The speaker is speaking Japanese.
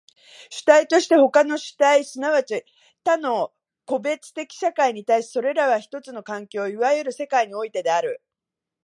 主体として他の主体即ち他の個別的社会に対し、それらは一つの環境、いわゆる世界においてある。